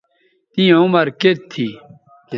تیں عمر کیئت تھی